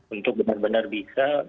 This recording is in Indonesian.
untuk benar benar bisa